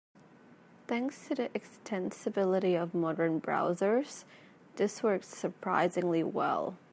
Thanks to the extensibility of modern browsers, this works surprisingly well.